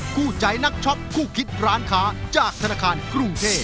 คู่ใจนักช็อปคู่คิดร้านค้าจากธนาคารกรุงเทพ